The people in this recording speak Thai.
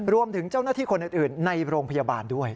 รวมถึงเจ้าหน้าที่คนอื่นในโรงพยาบาลด้วย